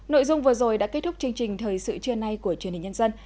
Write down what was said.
nội dung vừa rồi đã kết thúc chương trình thời sự trưa nay của truyền hình nhân dân